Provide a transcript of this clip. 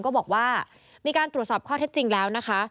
ก็บอกว่ามีการตรวจสอบข้อเท็จจริงแล้วนะคะ